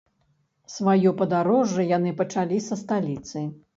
Сваё падарожжа яны пачалі са сталіцы.